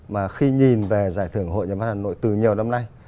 mà khi nhìn về giải thưởng hội nhà văn hà nội từ nhiều năm nay